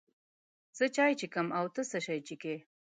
زه چای چکم، او ته څه شی چیکې؟